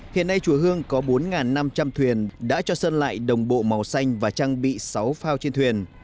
hiện nay chùa hương có bốn năm trăm linh thuyền đã cho sơn lại đồng bộ màu xanh và trang bị sáu phao trên thuyền